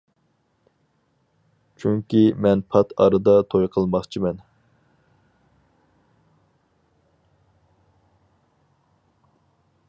چۈنكى مەن پات ئارىدا توي قىلماقچىمەن.